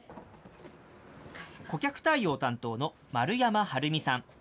顧客対応担当の丸山晴美さん。